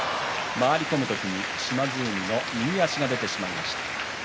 回り込む時に島津海の右足が出てしまいました。